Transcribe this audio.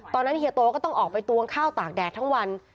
เฮียโตก็ต้องออกไปตวงข้าวตากแดดทั้งวัน